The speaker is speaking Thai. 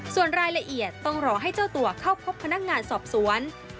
ส่วนรายละเอียดต้องรอให้เจ้าตัวเข้าพบพนักงานสอบสวน